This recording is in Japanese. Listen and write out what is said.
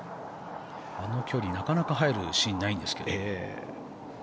あの距離なかなか入るシーンないんですけど。